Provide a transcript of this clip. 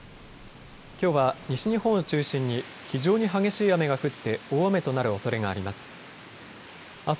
きょうは西日本を中心に非常に激しい雨が降って大雨となるおそれがあります。